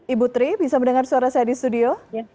ibu tri bisa mendengar suara saya di studio